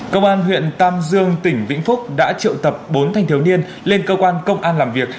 công an huyện tam dương tỉnh vĩnh phúc đã triệu tập bốn thanh thiếu niên lên cơ quan công an làm việc